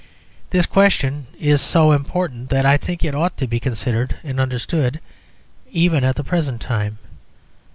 This question is so important that I think it ought to be considered and understood even at the present time.